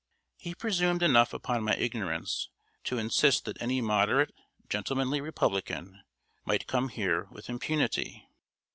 He presumed enough upon my ignorance to insist that any moderate, gentlemanly Republican might come here with impunity.